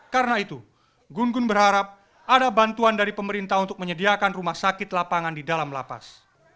karena itu gun gun berharap ada bantuan dari pemerintah untuk menyediakan rumah sakit lapangan di dalam lapas